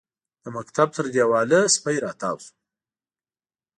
د مکتب تر دېواله سپی راتاو شو.